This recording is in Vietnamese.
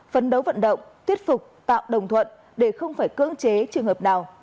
phấn đấu vận động thuyết phục tạo đồng thuận để không phải cưỡng chế trường hợp nào